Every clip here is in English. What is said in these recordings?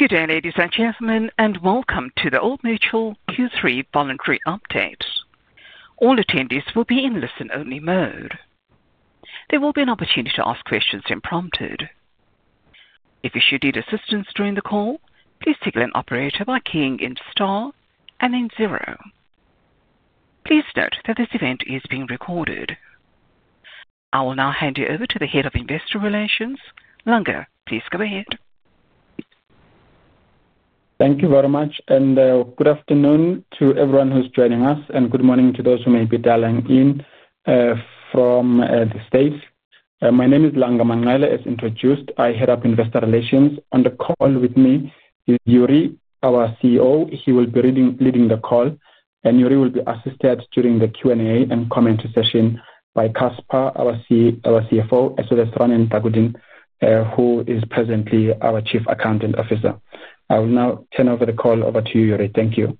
Good day, ladies and gentlemen, and welcome to the Old Mutual Q3 voluntary updates. All attendees will be in listen-only mode. There will be an opportunity to ask questions imprompted. If you should need assistance during the call, please tickling operator by keying in star and then zero. Please note that this event is being recorded. I will now hand you over to the Head of Investor Relations, Langa. Please go ahead. Thank you very much, and good afternoon to everyone who's joining us, and good morning to those who may be dialing in from the States. My name is Langa Manqele, as introduced. I Head of Investor Relations. On the call with me is Jurie, our CEO. He will be leading the call, and Jurie will be assisted during the Q&A and commentary session by Casper, our CFO, as well as Ranen Thakurdin, who is presently our Chief Accounting Officer. I will now turn the call over to you, Jurie. Thank you.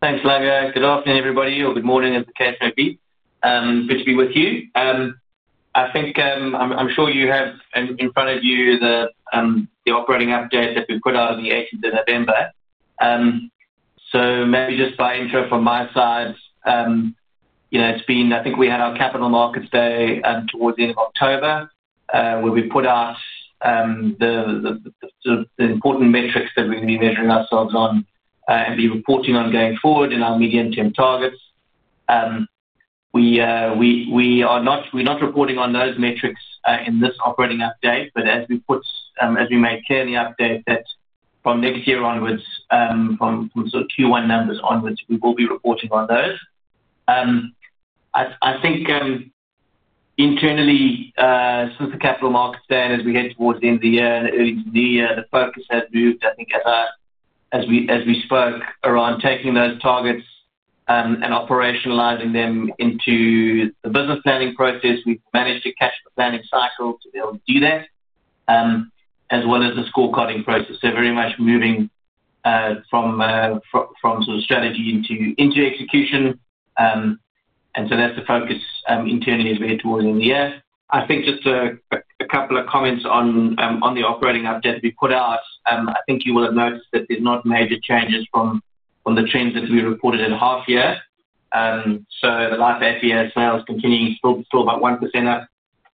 Thanks, Langa. Good afternoon, everybody, or good morning as the case may be. Good to be with you. I think I'm sure you have in front of you the operating update that we put out on the 18th of November. Maybe just by intro from my side, I think we had our capital markets day towards the end of October, where we put out the important metrics that we're going to be measuring ourselves on and be reporting on going forward in our medium-term targets. We are not reporting on those metrics in this operating update, but as we made clear in the update that from next year onwards, from sort of Q1 numbers onwards, we will be reporting on those. I think internally, since the Capital Markets Day, as we head towards the end of the year and early to new year, the focus has moved, I think, as we spoke around taking those targets and operationalizing them into the business planning process. We've managed to catch the planning cycle to be able to do that, as well as the scorecarding process. Very much moving from sort of strategy into execution. That is the focus internally as we head towards the end of the year. I think just a couple of comments on the operating update that we put out. I think you will have noticed that there's not major changes from the trends that we reported in half year. The life FES sales continuing, still about 1%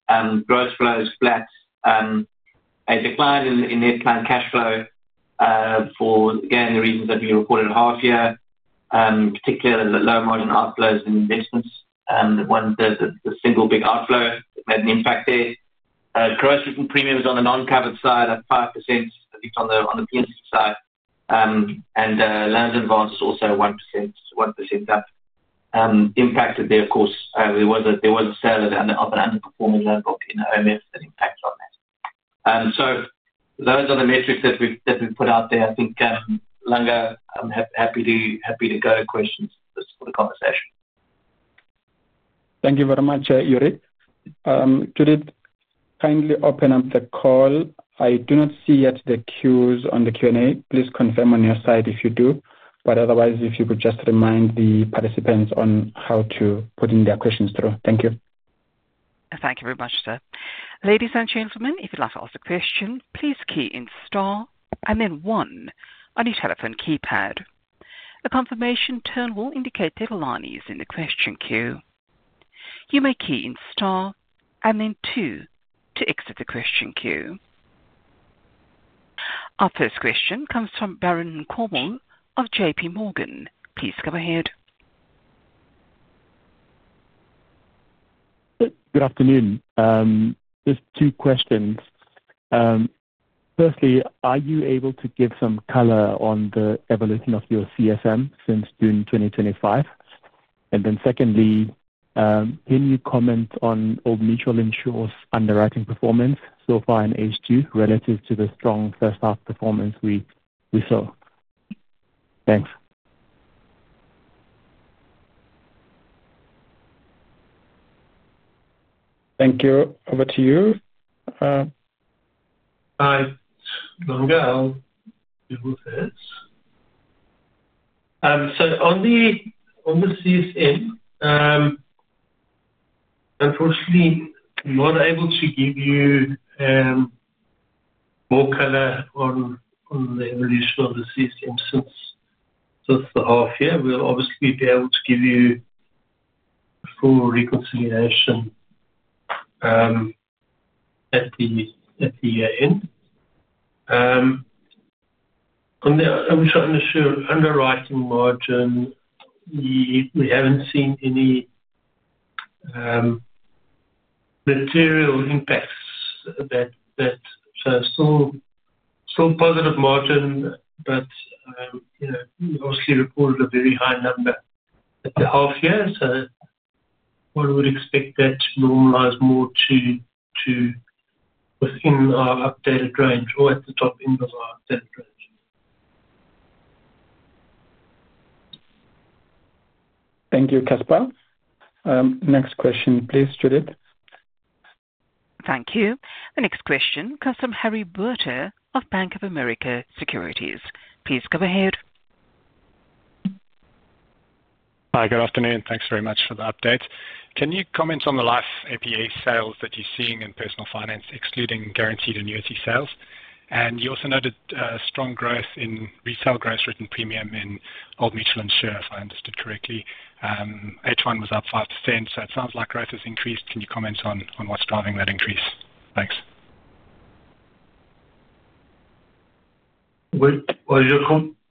up. Gross flow is flat. A decline in net plan cash flow for, again, the reasons that we reported half year, particularly the low margin outflows and investments, the single big outflow that made an impact there. Gross premiums on the non-covered side are 5%, at least on the P&C side. Loans and bonds also 1% up. Impacted there, of course, there was a sale of an underperforming loan book in Old Mutual Finance that impacted on that. Those are the metrics that we've put out there. I think Langa, I'm happy to go to questions for the conversation. Thank you very much, Jurie. Could it kindly open up the call? I do not see yet the queues on the Q&A. Please confirm on your side if you do. Otherwise, if you could just remind the participants on how to put in their questions through. Thank you. Thank you very much, sir. Ladies and gentlemen, if you'd like to ask a question, please key in star and then one on your telephone keypad. A confirmation tone will indicate there are lines in the question queue. You may key in star and then two to exit the question queue. Our first question comes from Baron Cornwall of JPMorgan. Please come ahead. Good afternoon. Just two questions. Firstly, are you able to give some color on the evolution of your CSM since June 2025? Secondly, can you comment on Old Mutual Insure underwriting performance so far in H2 relative to the strong first-half performance we saw? Thanks. Thank you. Over to you. Hi. On the CSM, unfortunately, not able to give you more color on the evolution of the CSM since the half year. We'll obviously be able to give you full reconciliation at the year-end. On the underwriting margin, we haven't seen any material impacts. Still positive margin, but we obviously reported a very high number at the half-year. I would expect that to normalize more to within our updated range or at the top end of our updated range. Thank you, Casper. Next question, please, Judith. Thank you. The next question comes from Harry Burter of Bank of America Securities. Please come ahead. Hi, good afternoon. Thanks very much for the update. Can you comment on the life APE sales that you're seeing in personal finance, excluding guaranteed annuity sales? You also noted strong growth in resale gross written premium in Old Mutual Insure, if I understood correctly. H1 was up 5%. It sounds like growth has increased. Can you comment on what's driving that increase? Thanks. Was your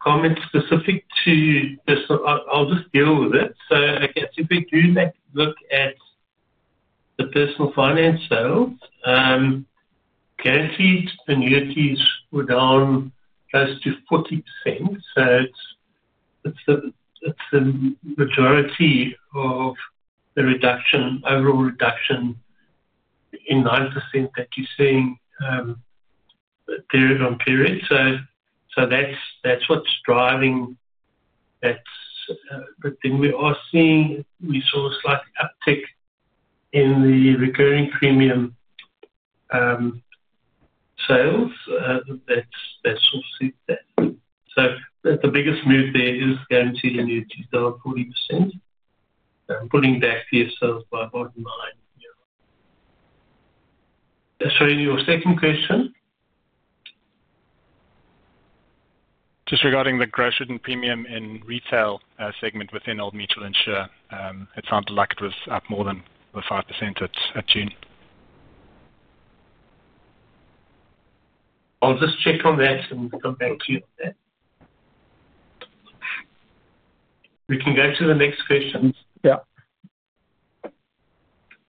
comment specific to personal? I'll just deal with it. I guess if we do look at the personal finance sales, guaranteed annuities were down close to 40%. It is the majority of the reduction, overall reduction in 9% that you're seeing period on period. That is what's driving that. We are seeing we saw a slight uptick in the recurring premium sales. That is obviously that. The biggest move there is guaranteed annuities down 40%, pulling back the sales by about nine. In your second question. Just regarding the gross written premium in retail segment within Old Mutual Insure, it sounded like it was up more than 5% at June. I'll just check on that and come back to you on that. We can go to the next questions. Yeah.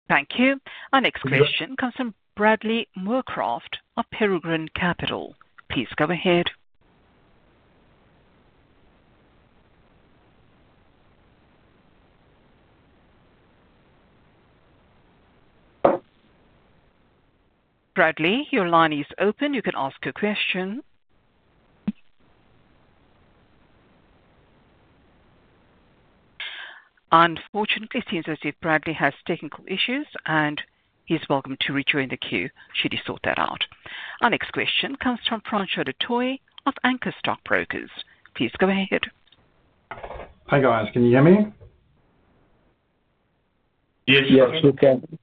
Thank you. Our next question comes from Bradley Moorcroft of Peregrine Capital. Please come ahead. Bradley, your line is open. You can ask a question. Unfortunately, it seems as if Bradley has technical issues, and he's welcome to rejoin the queue. Should he sort that out? Our next question comes from Francois du Toit of Anchor Stock Brokers. Please come ahead. Hi guys. Can you hear me? [crosstalk-Yes. Yes, we can.]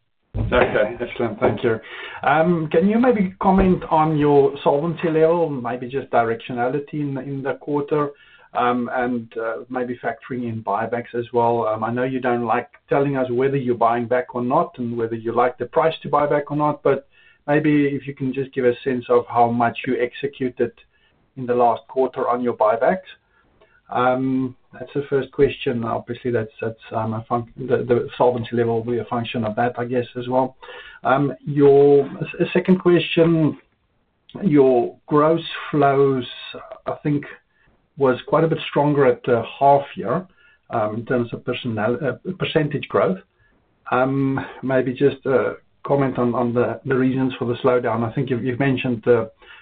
Okay. Excellent. Thank you. Can you maybe comment on your solvency level, maybe just directionality in the quarter, and maybe factoring in buybacks as well? I know you don't like telling us whether you're buying back or not and whether you like the price to buy back or not, but maybe if you can just give a sense of how much you executed in the last quarter on your buybacks. That's the first question. Obviously, the solvency level will be a function of that, I guess, as well. Your second question, your gross flows, I think, was quite a bit stronger at the half-year in terms of percentage growth. Maybe just a comment on the reasons for the slowdown. I think you've mentioned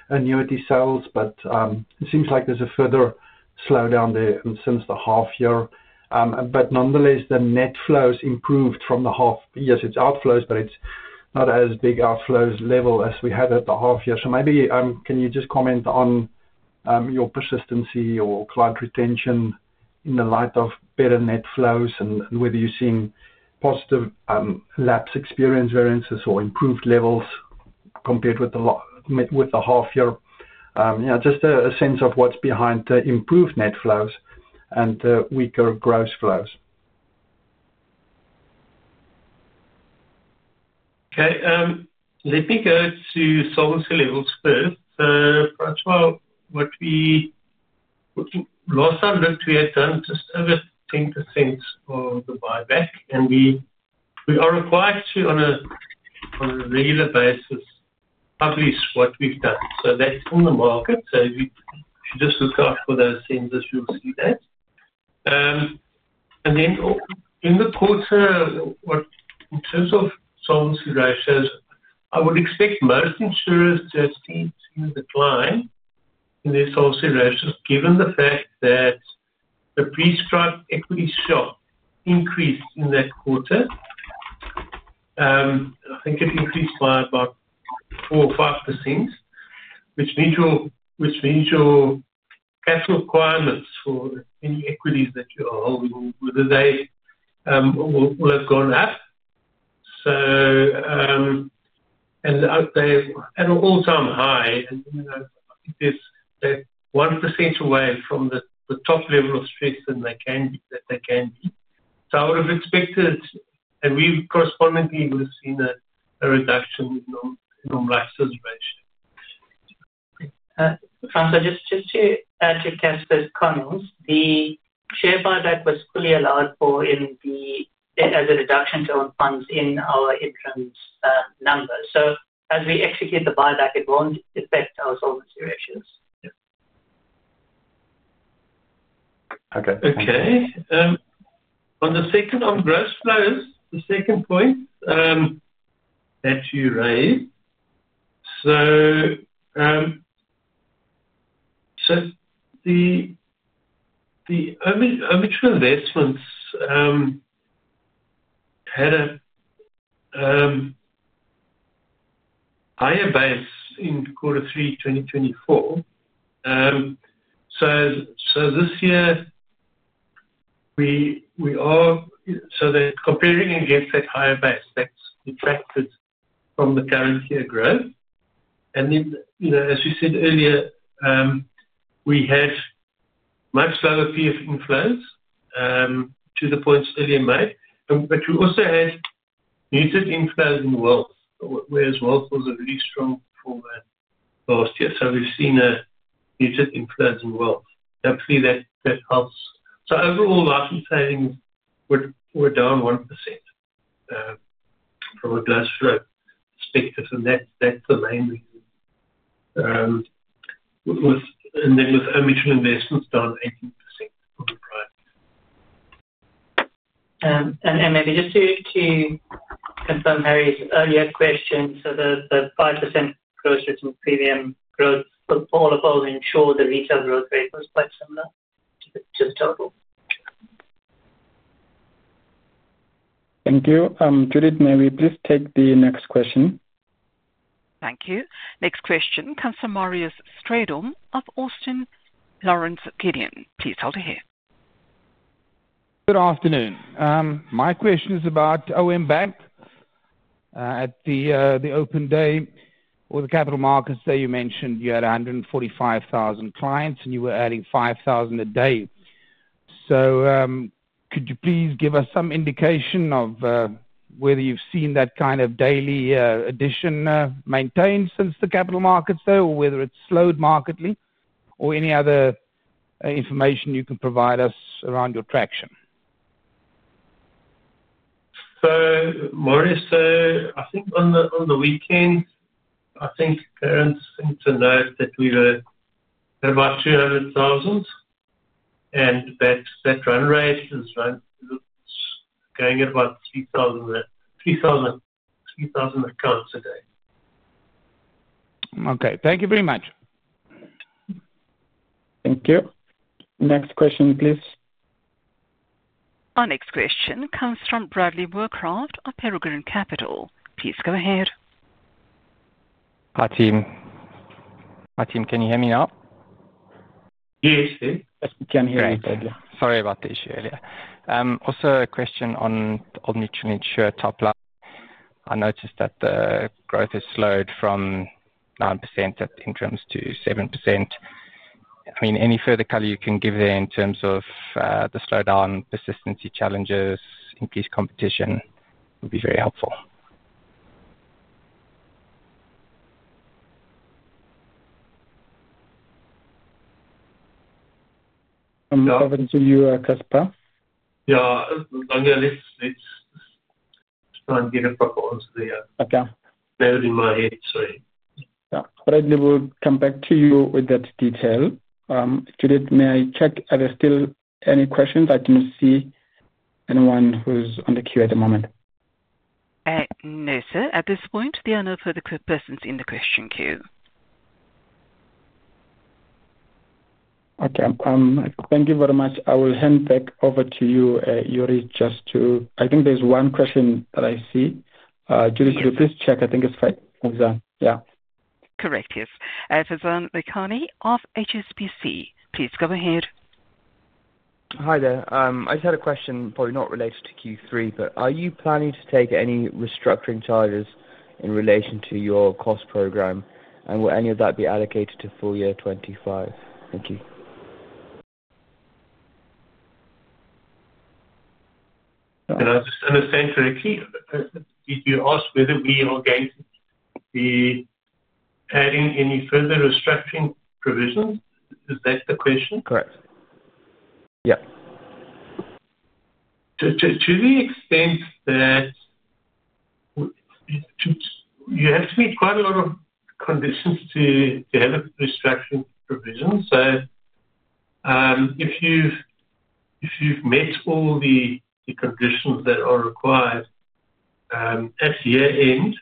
annuity sales, but it seems like there's a further slowdown there since the half-year. Nonetheless, the net flows improved from the half-year. It is outflows, but it is not as big an outflows level as we had at the half-year. Maybe can you just comment on your persistency or client retention in the light of better net flows and whether you are seeing positive lapse experience variances or improved levels compared with the half year? Just a sense of what is behind improved net flows and weaker gross flows. Okay. Let me go to solvency levels first. Francois, what we last time looked we had done just over 10% of the buyback. We are required to, on a regular basis, publish what we've done. That is in the market. If you just look out for those things, you'll see that. In the quarter, in terms of solvency ratios, I would expect most insurers to have seen a decline in their solvency ratios given the fact that the prescribed equity shock increased in that quarter. I think it increased by about 4% or 5%, which means your capital requirements for any equities that you're holding will have gone up. They are at an all-time high. I think they are 1% away from the top level of strength that they can be.I would have expected, and we've correspondingly seen a reduction in normalized reservation. Francois, just to add to Casper's comments, the share buyback was fully allowed for as a reduction to own funds in our interim number. As we execute the buyback, it will not affect our solvency ratios. Okay. Okay. On the second on gross flows, the second point that you raised. The Old Mutual investments had a higher base in quarter three 2024. This year, we are comparing against that higher base. That has detracted from the current year growth. As you said earlier, we had much lower fee of inflows to the points earlier made. We also had muted inflows in wealth, whereas wealth was a really strong performance last year. We have seen muted inflows in wealth. Hopefully, that helps. Overall, life insurance savings were down 1% from a gross flow perspective. That is the main reason. With Old Mutual investments down 18% from the prior year. Maybe just to confirm Harry's earlier question, the 5% gross written premium growth, all of those, ensure the retail growth rate was quite similar to the total. Thank you. Judith, may we please take the next question? Thank you. Next question comes from Marius Stroydom of Austin Lawrence Gidon. Please hold here. Good afternoon. My question is about OM Bank at the open day or the capital markets that you mentioned. You had 145,000 clients, and you were adding 5,000 a day. Could you please give us some indication of whether you've seen that kind of daily addition maintained since the capital markets day, or whether it's slowed markedly, or any other information you can provide us around your traction? Marius, I think on the weekend, I think parents seem to know that we were at about 200,000. That run rate is going at about 3,000 accounts a day. Okay. Thank you very much. Thank you. Next question, please. Our next question comes from Bradley Moorcroft of Peregrine Capital. Please go ahead. Hi, team. Can you hear me now? Yes, there. Can hear you, Bradley. Sorry about the issue earlier. Also a question on Old Mutual Insure top line. I noticed that the growth has slowed from 9% at interims to 7%. I mean, any further color you can give there in terms of the slowdown, persistency challenges, increased competition would be very helpful. Over to you, Casper. Yeah. I know it's trying to get a proper answer there. Okay. Loud in my head, sorry. Bradley will come back to you with that detail. Judith, may I check? Are there still any questions? I do not see anyone who's on the queue at the moment. No, sir. At this point, there are no further questions in the question queue. Okay. Thank you very much. I will hand back over to you, Jurie, just to—I think there's one question that I see. Judith, could you please check? I think it's Faisal. Yeah. Correct, yes. Faisal Mekani of HSBC. Please come ahead. Hi there. I just had a question, probably not related to Q3, but are you planning to take any restructuring charges in relation to your cost program? Will any of that be allocated to full year 2025? Thank you. Can I just understand, correctly? Did you ask whether we are going to be adding any further restructuring provisions? Is that the question? Correct. Yeah. To the extent that you have to meet quite a lot of conditions to have a restructuring provision. If you've met all the conditions that are required at year end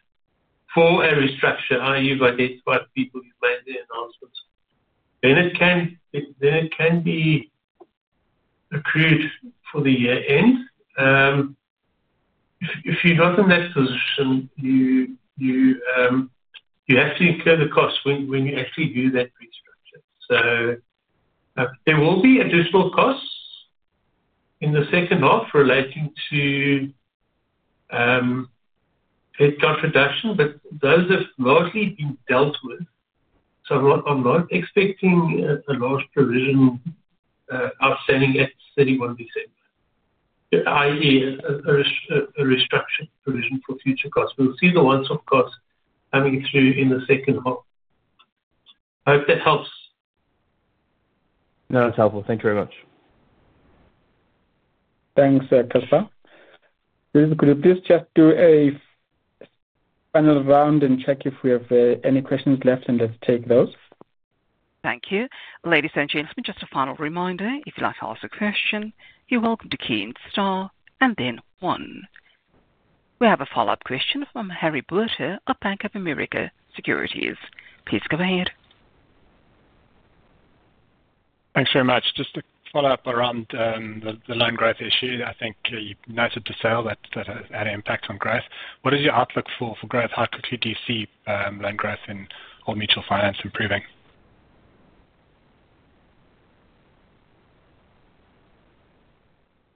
for a restructure, i.e., by these five people you've made the announcements, then it can be accrued for the year end. If you're not in that position, you have to incur the cost when you actually do that restructure. There will be additional costs in the second half relating to headcount reduction, but those have mostly been dealt with. I'm not expecting a large provision outstanding at 31%, i.e., a restructuring provision for future costs. We'll see the ones, of course, coming through in the second half. I hope that helps. No, that's helpful. Thank you very much. Thanks, Casper. Judith, could you please just do a final round and check if we have any questions left and just take those? Thank you. Ladies and gentlemen, just a final reminder, if you'd like to ask a question, you're welcome to key in star, and then one. We have a follow-up question from Harry Burter of Bank of America Securities. Please come ahead. Thanks very much. Just a follow-up around the loan growth issue. I think you've noted the sale that had an impact on growth. What is your outlook for growth? How quickly do you see loan growth in Old Mutual Finance improving?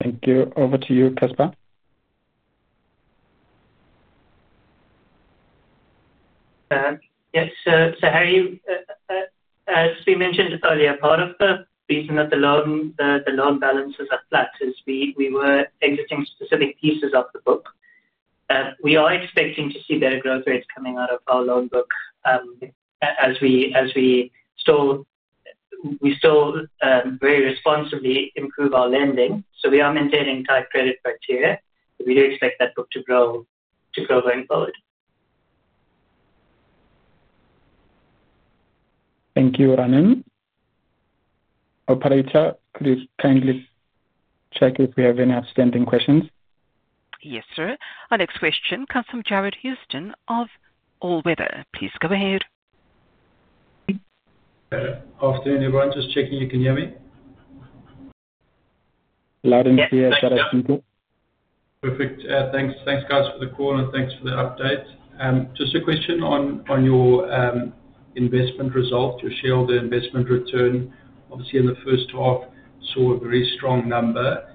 Thank you. Over to you, Casper. Yes. Harry, as we mentioned earlier, part of the reason that the loan balances are flat is we were exiting specific pieces of the book. We are expecting to see better growth rates coming out of our loan book as we still very responsibly improve our lending. We are maintaining tight credit criteria. We do expect that book to grow going forward. Thank you, Ranen. Operator, could you kindly check if we have any outstanding questions? Yes, sir. Our next question comes from Jarred Houston of All Weather. Please come ahead. Afternoon, everyone. Just checking you can hear me. Loud and clear. Perfect. Thanks, guys, for the call, and thanks for the update. Just a question on your investment results. You shared the investment return. Obviously, in the first half, saw a very strong number.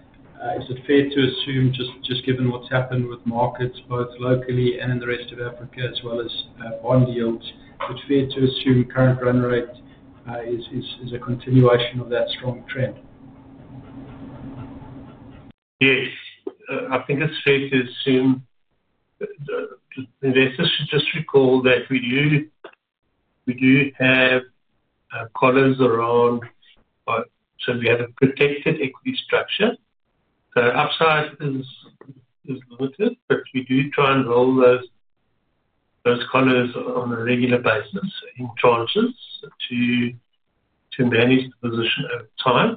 Is it fair to assume, just given what's happened with markets, both locally and in the rest of Africa, as well as bond yields, it's fair to assume current run rate is a continuation of that strong trend? Yes. I think it's fair to assume. Let's just recall that we do have collars around. We have a protected equity structure. Upside is limited, but we do try and roll those collars on a regular basis in tranches to manage the position over time.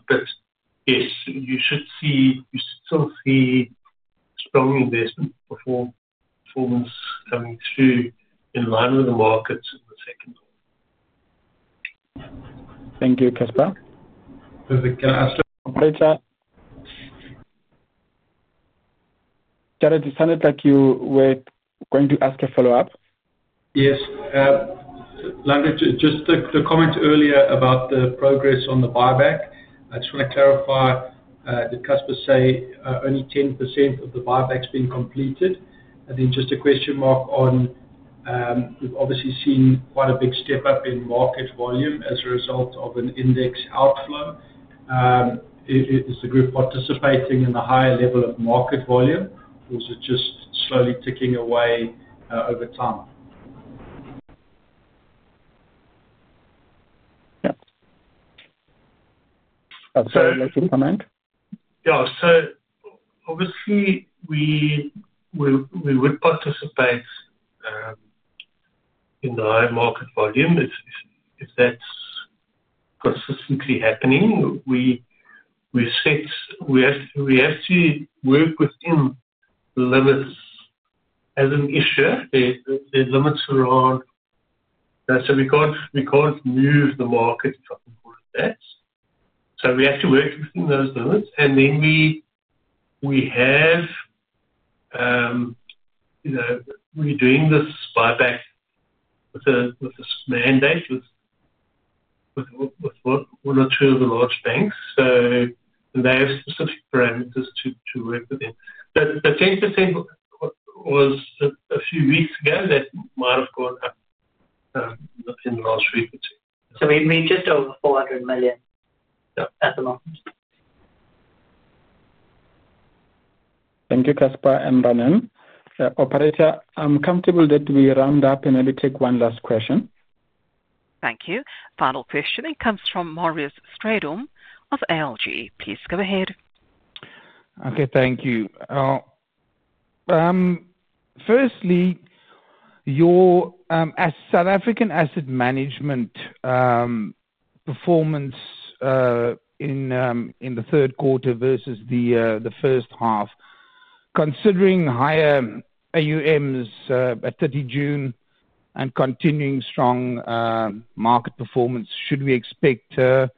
Yes, you should still see strong investment performance coming through in line with the markets in the second half. Thank you, Casper. Perfect. Can I ask? Operator? Jared, it sounded like you were going to ask a follow-up. Yes. Just the comment earlier about the progress on the buyback. I just want to clarify that Casper said only 10% of the buyback's been completed. Then just a question mark on we've obviously seen quite a big step up in market volume as a result of an index outflow. Is the group participating in a higher level of market volume, or is it just slowly ticking away over time? Yeah. Can you make a comment? Yeah. Obviously, we would participate in the high market volume if that's consistently happening. We have to work within the limits as an issuer. There are limits around. We can't move the market for that. We have to work within those limits. We are doing this buyback with a mandate with one or two of the large banks. They have specific parameters to work within. The 10% was a few weeks ago. That might have gone up in the last week or two. We're just over 400 million at the moment. Thank you, Casper and Ranen. Operator, I'm comfortable that we round up and maybe take one last question. Thank you. Final question comes from Marius Strydom of ALG. Please come ahead. Okay. Thank you. Firstly, as South African asset management performance in the third quarter versus the first half, considering higher AUMs at 30 June and continuing strong market performance, should we expect a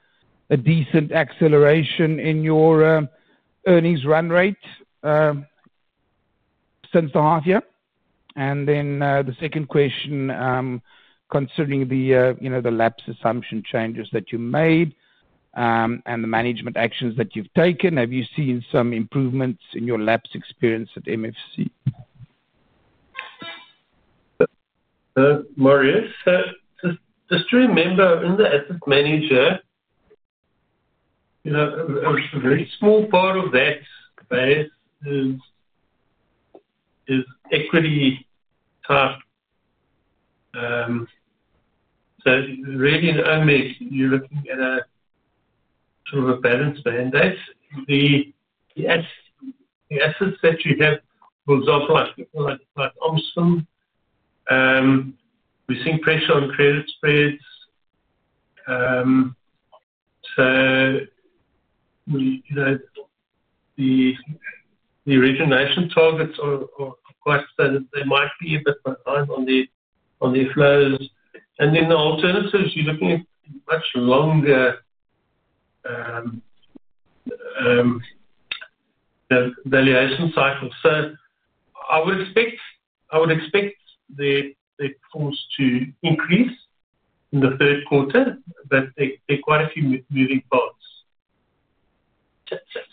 decent acceleration in your earnings run rate since the half year? The second question, considering the LAPS assumption changes that you made and the management actions that you've taken, have you seen some improvements in your LAPS experience at MFC? Marius, just to remember, in the asset manager, a very small part of that base is equity type. Really, in OMEC, you're looking at a sort of a balanced mandate. The assets that you have, for example, like Omsk, we're seeing pressure on credit spreads. The origination targets are quite standard. They might be a bit more high on the flows. The alternatives, you're looking at much longer valuation cycles. I would expect the performance to increase in the third quarter, but there are quite a few moving parts.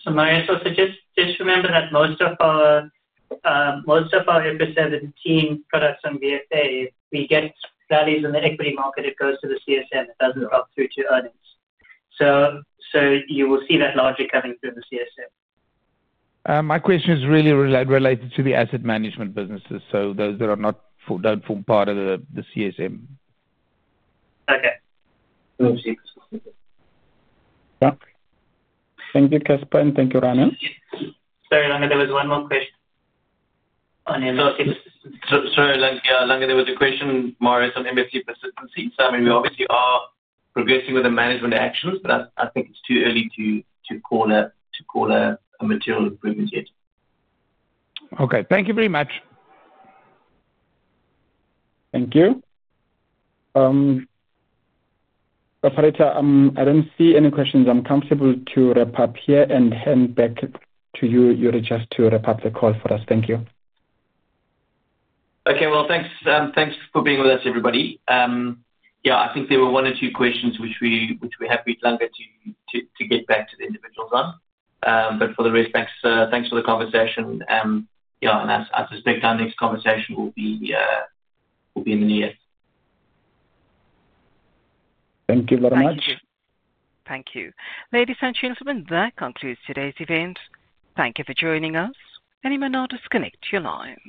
Marius, also just remember that most of our FSM and team products on VFA, if we get values in the equity market, it goes to the CSM and does not drop through to earnings. You will see that logic coming through the CSM. My question is really related to the asset management businesses, so those that don't form part of the CSM. Okay. Thank you, Casper. Thank you, Ranen. Sorry, Langa, there was one more question on MFC persistency. Sorry, Langa. Yeah. Langa, there was a question, Marius, on MFC persistency. I mean, we obviously are progressing with the management actions, but I think it's too early to call a material improvement yet. Okay. Thank you very much. Thank you. Operator, I do not see any questions. I am comfortable to wrap up here and hand back to you, Jurie, just to wrap up the call for us. Thank you. Okay. Thanks for being with us, everybody. I think there were one or two questions which we had with Langa to get back to the individuals on. For the rest, thanks for the conversation. I suspect our next conversation will be in the near future. Thank you very much. Thank you. Thank you. Ladies and gentlemen, that concludes today's event. Thank you for joining us. Anyone else, disconnect your line.